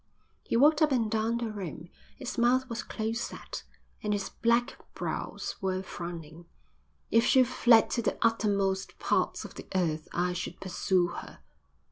He walked up and down the room. His mouth was close set, and his black brows were frowning. "If she fled to the uttermost parts of the earth I should pursue her."